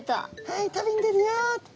はい旅に出るよ。